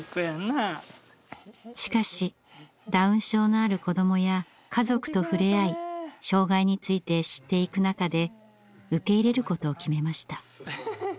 しかしダウン症のある子どもや家族と触れ合い障害について知っていく中で受け入れることを決めました。